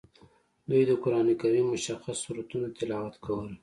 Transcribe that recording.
دوی د قران کریم مشخص سورتونه تلاوت کول.